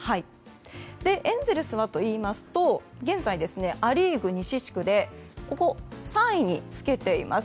エンゼルスはといいますと現在、ア・リーグ西地区で３位につけています。